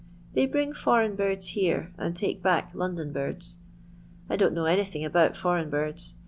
They bring foreign birds here, and take back London birds. I don't know anything about foreign birds.